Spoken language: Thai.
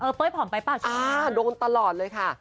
เออเเป้ยผอมไปป่ะช่วงนี้โดนตลอดเลยค่ะ